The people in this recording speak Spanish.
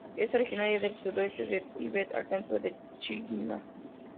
Es originaria del sudeste de Tibet al centro de China.